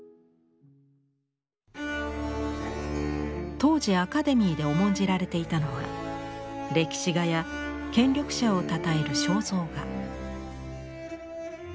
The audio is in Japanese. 当時アカデミーで重んじられていたのは歴史画や権力者をたたえる肖像画。